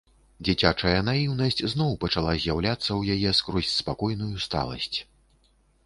Дзіцячая наіўнасць зноў пачала з'яўляцца ў яе скрозь спакойную сталасць.